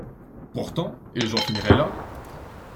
Pourtant, et j’en finirai là